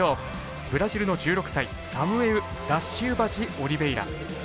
ブラジルの１６歳サムエウ・ダシウバジオリベイラ。